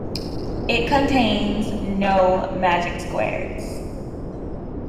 It contains "no" magic squares.